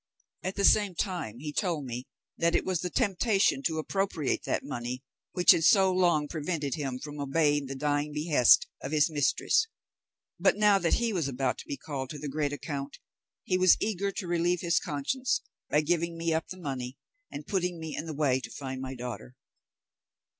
At the same time, he told me that it was the temptation to appropriate that money which had so long prevented him from obeying the dying behest of his mistress, but now that he was about to be called to the great account, he was eager to relieve his conscience by giving me up the money and putting me in the way to find my daughter.